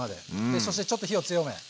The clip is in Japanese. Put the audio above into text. そしてちょっと火を強め温めます。